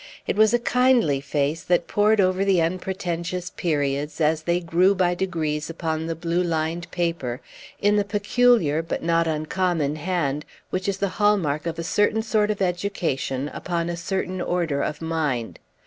It was a kindly face that pored over the unpretentious periods, as they grew by degrees upon the blue lined paper, in the peculiar but not uncommon hand which is the hall mark of a certain sort of education upon a certain order of mind.